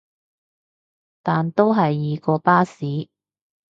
但都係易過巴士